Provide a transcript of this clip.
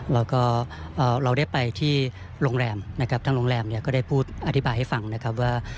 แล้วก็เราได้ไปที่โรงแรมนะครับทางโรงแรมเนี่ยก็ได้พูดอธิบายให้ฟังนะครับว่า